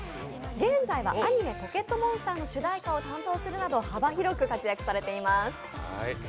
現在はアニメ「ポケットモンスター」の主題歌を担当するなど幅広く活躍されています。